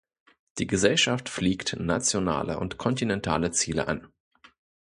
Die Gesellschaft fliegt nationale und kontinentale Ziele an.